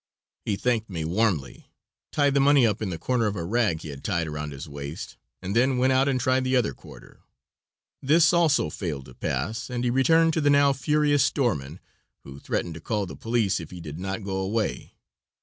He thanked me warmly, tied the money up in the corner of a rag he had tied around his waist, and then went out and tried the other quarter. This also failed to pass, and he returned to the now furious storeman, who threatened to call the police if he did not go away.